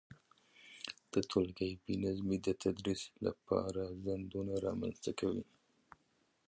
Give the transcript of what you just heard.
د تولګي بي نظمي د تدريس لپاره خنډونه رامنځته کوي،